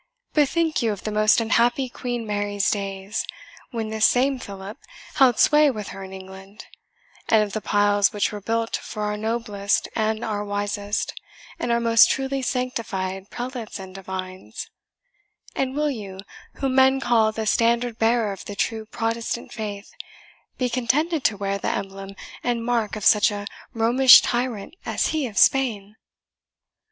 Bethink you of the most unhappy Queen Mary's days, when this same Philip held sway with her in England, and of the piles which were built for our noblest, and our wisest, and our most truly sanctified prelates and divines and will you, whom men call the standard bearer of the true Protestant faith, be contented to wear the emblem and mark of such a Romish tyrant as he of Spain?"